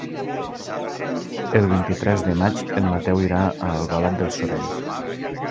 El vint-i-tres de maig en Mateu irà a Albalat dels Sorells.